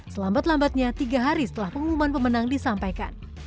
selambat lambatnya tiga hari setelah pengumuman pemenang disampaikan